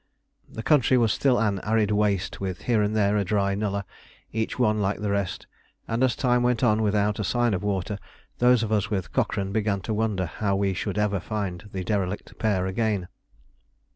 The country was still an arid waste with here and there a dry nullah, each one like the rest; and as time went on without a sign of water, those of us with Cochrane began to wonder how we should ever find the derelict pair again.